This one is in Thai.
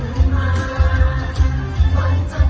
สวัสดีครับ